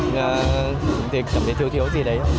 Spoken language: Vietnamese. năm nay thì cảm thấy thiếu thiếu gì đấy